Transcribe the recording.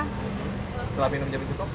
setelah minum jamu cukup